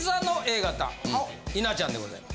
稲ちゃんでございます。